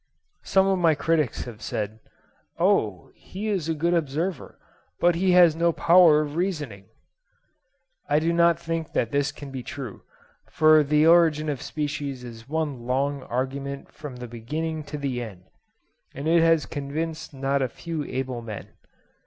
Some of my critics have said, "Oh, he is a good observer, but he has no power of reasoning!" I do not think that this can be true, for the 'Origin of Species' is one long argument from the beginning to the end, and it has convinced not a few able men.